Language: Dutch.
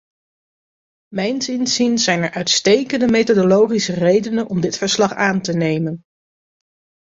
Mijns inziens zijn er uitstekende methodologische redenen om dit verslag aan te nemen.